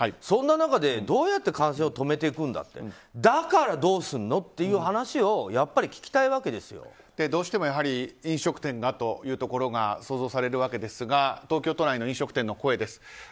そんな中でどうやって感染を止めていくんだってだからどうするのって話をやっぱり聞きたいわけですよ。どうしても飲食店がというところが想像されるわけですが東京都内の飲食店の声です。